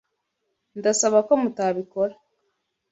Ndasaba ko mutabikora.